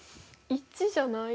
０じゃない？